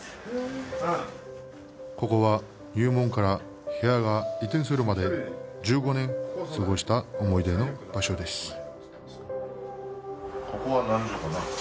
ここは入門から部屋が移転するまで１５年過ごした思い出の場所です